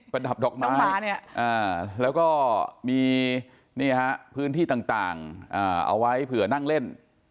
ประดับดอกไม้แล้วก็มีพื้นที่ต่างเอาไว้เผื่อนั่งเล่น